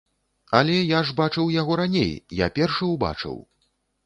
Але я ж бачыў яго раней, я першы ўбачыў.